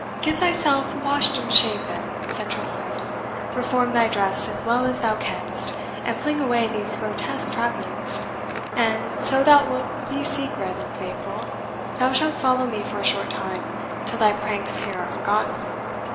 "Get thyself washed and shaved, then," said Tressilian; "reform thy dress as well as thou canst, and fling away these grotesque trappings; and, so thou wilt be secret and faithful, thou shalt follow me for a short time, till thy pranks here are forgotten.